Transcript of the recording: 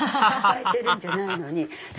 抱えてるんじゃないのに。